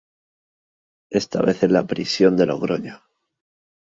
Esta vez en la prisión de Logroño.